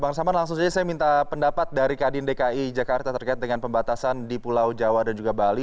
bang saman langsung saja saya minta pendapat dari kadin dki jakarta terkait dengan pembatasan di pulau jawa dan juga bali